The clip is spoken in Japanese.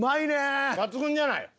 抜群じゃない？